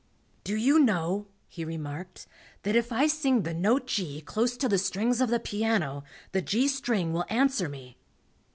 "Do you know," he remarked, "that if I sing the note G close to the strings of the piano, the G string will answer me?"